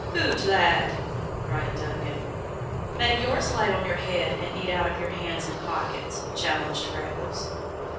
"Hoot, lad!" cried Duncan. "Make yours light on your head and eat out of your hands and pockets," challenged Freckles.